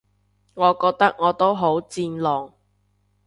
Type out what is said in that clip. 我覺得我都好戰狼